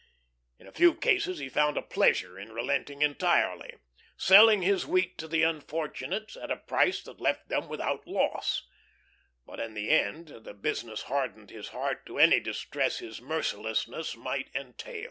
In a few cases he found a pleasure in relenting entirely, selling his wheat to the unfortunates at a price that left them without loss; but in the end the business hardened his heart to any distress his mercilessness might entail.